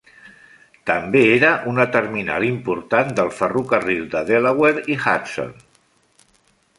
També era una terminal important del ferrocarril de Delaware i Hudson.